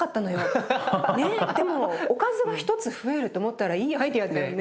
でもおかずが１つ増えると思ったらいいアイデアだよね。